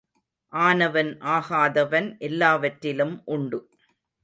ஆனவன் ஆகாதவன் எல்லாவற்றிலும் உண்டு.